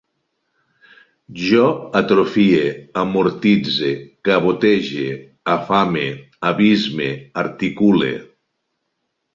Jo atrofie, amortitze, cabotege, afame, abisme, articule